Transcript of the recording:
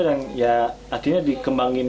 dan akhirnya dikembangin